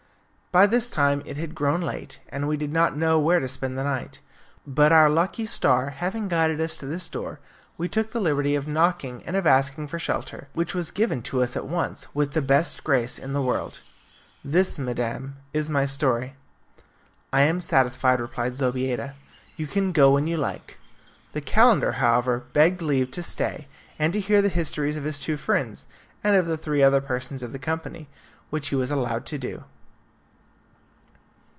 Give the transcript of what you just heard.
By this time it had grown late, and we did not know where to spend the night. But our lucky star having guided us to this door, we took the liberty of knocking and of asking for shelter, which was given to us at once with the best grace in the world. This, madam, is my story. "I am satisfied," replied Zobeida; "you can go when you like." The calender, however, begged leave to stay and to hear the histories of his two friends and of the three other persons of the company, which he was allowed to do.